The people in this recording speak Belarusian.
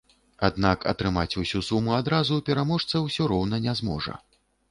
Аднак атрымаць усю суму адразу пераможца ўсё роўна не зможа.